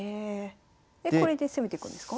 でこれで攻めていくんですか？